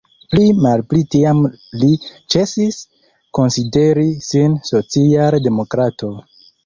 Pli malpli tiam li ĉesis konsideri sin social-demokrato.